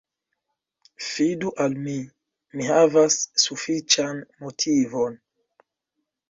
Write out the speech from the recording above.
Fidu al mi; mi havas sufiĉan motivon.